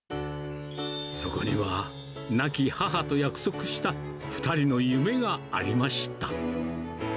そこには、亡き母と約束した、２人の夢がありました。